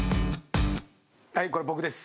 はいこれ僕です。